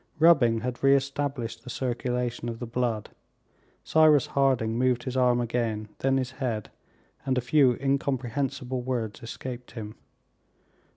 Rubbing had re established the circulation of the blood. Cyrus Harding moved his arm again, then his head, and a few incomprehensible words escaped him.